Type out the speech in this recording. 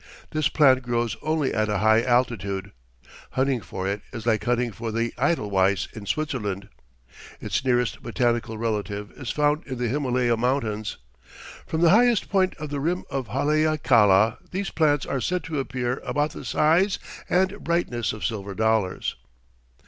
This plant grows only at a high altitude. Hunting for it is like hunting for the edelweiss in Switzerland. Its nearest botanical relative is found in the Himalaya Mountains. From the highest point of the rim of Haleakala these plants are said to appear about the size and brightness of silver dollars.